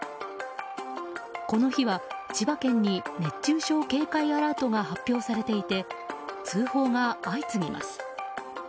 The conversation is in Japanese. この日は、千葉県に熱中症警戒アラートが発表されていて通報が相次ぎます。